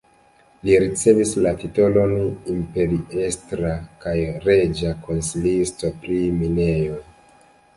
Li ricevis la titolon imperiestra kaj reĝa konsilisto pri minejoj.